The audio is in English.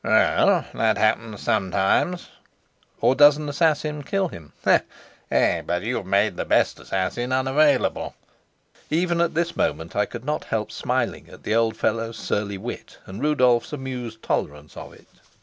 "Well, that happens sometimes." "Or does an assassin kill him?" "Eh, but you've made the best assassin unavailable." Even at this moment I could not help smiling at the old fellow's surly wit and Rudolf's amused tolerance of it.